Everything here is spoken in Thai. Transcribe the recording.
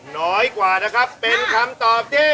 น้อยกว่านะครับเป็นคำตอบที่